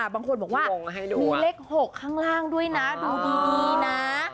บางคนบอกว่ามีเลข๖ข้างล่างด้วยนะดูดีนะ